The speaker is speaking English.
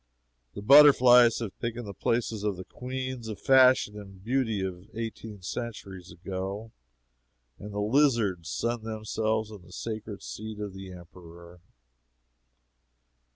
The butterflies have taken the places of the queens of fashion and beauty of eighteen centuries ago, and the lizards sun themselves in the sacred seat of the Emperor.